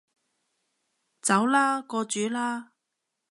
走啦，過主啦